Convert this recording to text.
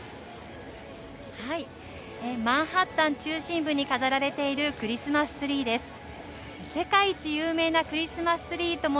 マンハッタン中心部に飾られているクリスマスツリーです。